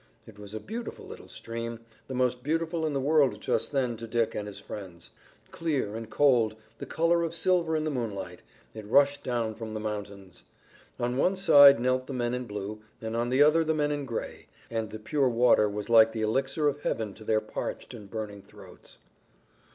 It was a beautiful little stream, the most beautiful in the world just then to Dick and his friends. Clear and cold, the color of silver in the moonlight, it rushed down from the mountains. On one side knelt the men in blue, and on the other the men in gray, and the pure water was like the elixir of heaven to their parched and burning throats.